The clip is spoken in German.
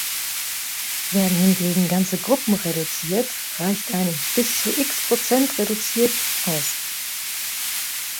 Werden hingegen ganze Gruppen reduziert, reicht ein „bis zu x% reduziert“ aus.